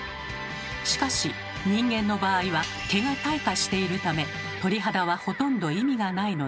しかし人間の場合は毛が退化しているため鳥肌はほとんど意味がないのです。